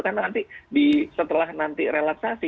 karena nanti setelah nanti relaksasi